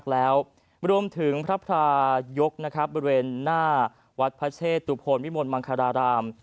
แล้วรวมถึงพระพลาห์ยกต์บริเวณหน้าวัดพระเทศตุปลโพรฯวิมูลมังคาราราม